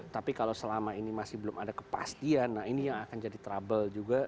tapi kalau selama ini masih belum ada kepastian nah ini yang akan jadi trouble juga